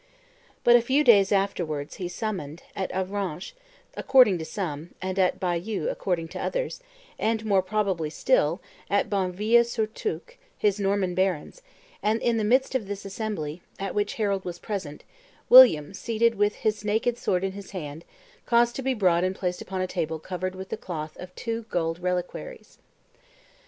But a few days afterwards he summoned, at Avranches according to some, and at Bayeux according to others, and, more probably still, at Bonneville sur Touques, his Norman barons; and, in the midst of this assembly, at which Harold was present, William, seated with his naked sword in his hand, caused to be brought and placed upon a table covered with cloth of gold two reliquaries.